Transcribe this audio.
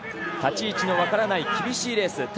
立ち位置の分からない厳しいレース。